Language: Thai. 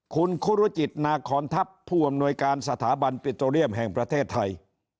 คุณคุรุจิตนาคอนทัพผู้อำนวยการสถาบันปิโตเรียมแห่งประเทศไทย